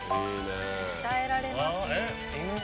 鍛えられますね。